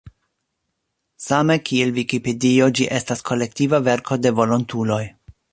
Same kiel Vikipedio, ĝi estas kolektiva verko de volontuloj.